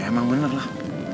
ya emang bener lah